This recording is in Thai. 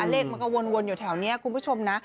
เลขมันก็วนอยู่แถวนี้คุณผู้ชมนะ